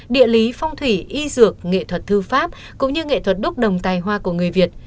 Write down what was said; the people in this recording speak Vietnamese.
địa lý phong thủy y dược nghệ thuật thư pháp cũng như nghệ thuật đúc đồng tài hoa của người việt